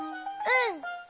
うん。